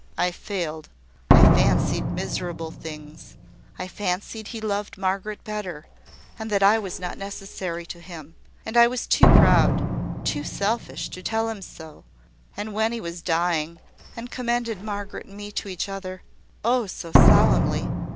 I failed. I fancied miserable things. I fancied he loved Margaret better; and that I was not necessary to him; and I was too proud, too selfish, to tell him so: and when he was dying, and commended Margaret and me to each other Oh, so solemnly!